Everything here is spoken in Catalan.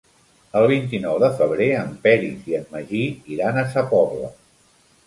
El vint-i-nou de febrer en Peris i en Magí iran a Sa Pobla.